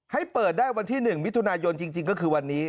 ให้เปิดได้วันที่๑มิถุนายนจริงก็คือวันนี้